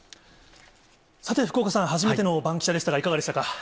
さて、福岡さん、初めてのバンキシャでしたが、いかがでしたか？